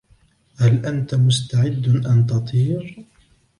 هل أنت مستعد أن تطير ؟